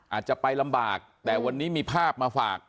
อาจจะไปลำบากแต่วันนี้มีภาพมาฝาก